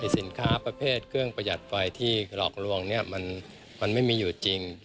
สินค้าประเภทเครื่องประหยัดไฟที่หลอกลวงมันไม่มีอยู่จริง